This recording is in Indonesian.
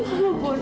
mama bukan lagi